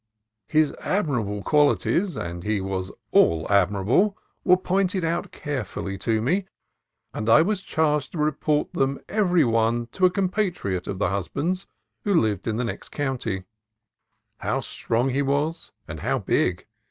His admirable qualities — and he was all admirable — were pointed out carefully to me, and I was charged to report them every one to a compatriot of the husband's who lived in the next county :— how strong he was, and how big!